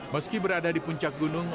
meski berada di puncak gunung